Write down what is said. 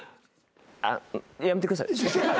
あっやめてください。